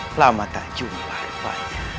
selamat datang jumpa